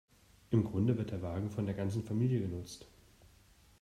Im Grunde wird der Wagen von der ganzen Familie genutzt.